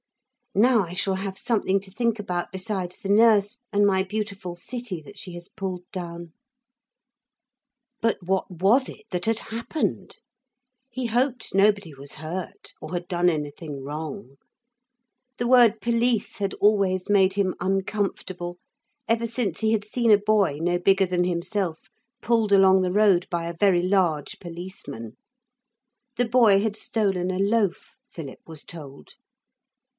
'Now I shall have something to think about besides the nurse and my beautiful city that she has pulled down.' But what was it that had happened? He hoped nobody was hurt or had done anything wrong. The word police had always made him uncomfortable ever since he had seen a boy no bigger than himself pulled along the road by a very large policeman. The boy had stolen a loaf, Philip was told.